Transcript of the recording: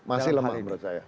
masih lemah menurut saya